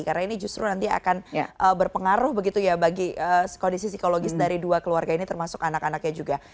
karena ini justru nanti akan berpengaruh begitu ya bagi kondisi psikologis dari dua keluarga ini termasuk anak anaknya juga